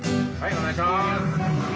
お願いします。